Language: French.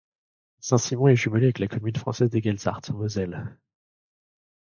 Saint-Simon est jumelée avec la commune française d'Eguelshardt, en Moselle.